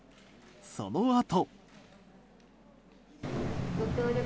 そのあと。